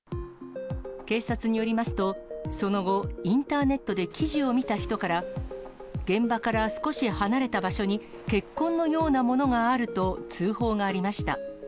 警察によりますと、その後、インターネットで記事を見た人から、現場から少し離れた場所に血痕のようなものがあると通報がありました。